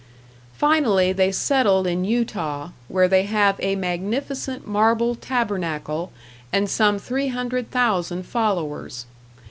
Finally they settled in Utah, where they have a magnificent marble tabernacle, and some 300,000 followers.